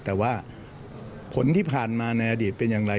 แต่ว่าผลที่ผ่านมาในอดีตเป็นอย่างไร